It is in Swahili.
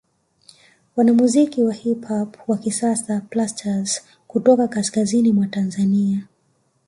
Wanamuziki wa Hip Hop wa kisasa Plastaz kutoka kaskazini mwa Tanzania